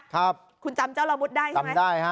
ครับคุณจำเจ้าละมุดได้ใช่ไหมจำได้ฮะ